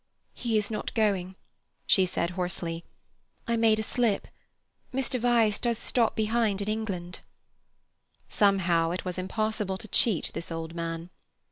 "He is not going," she said hoarsely. "I made a slip. Mr. Vyse does stop behind in England." Somehow it was impossible to cheat this old man.